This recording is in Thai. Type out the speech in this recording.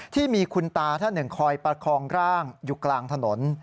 ที่มีคุณตาท่านหนึ่งคอยประคองร่างอยู่กลางถนน